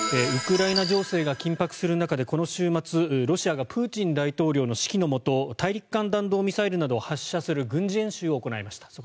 ウクライナ情勢が緊迫する中でこの週末、ロシアがプーチン大統領の指揮のもと大陸間弾道ミサイルなどを発射する軍事演習を行いました。